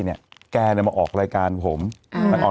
แต่อาจจะส่งมาแต่อาจจะส่งมา